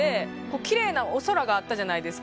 キレイなお空があったじゃないですか。